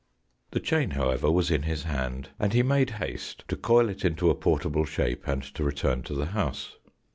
The chain, however, was in his hand, and he made haste to coil it into a portable shape, and to return to the house.